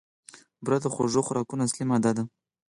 بوره د خوږو خوراکونو اصلي ماده ده.